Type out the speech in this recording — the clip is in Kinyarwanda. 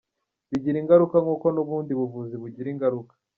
Bigira ingaruka nk’uko n’ubundi buvuzi bugira ingaruka.